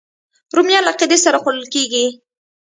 رومیان له عقیدې سره خوړل کېږي